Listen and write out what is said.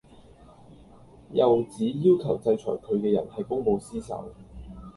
又指要求制裁佢嘅人係公報私仇